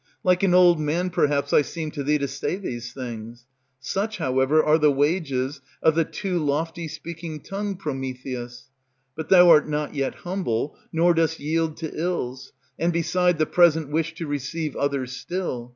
Like an old man, perhaps, I seem to thee to say these things; Such, however, are the wages Of the too lofty speaking tongue, Prometheus; But thou art not yet humble, nor dost yield to ills, And beside the present wish to receive others still.